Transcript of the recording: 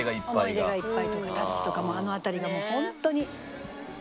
『想い出がいっぱい』とか『タッチ』とかあの辺りがもうホントに。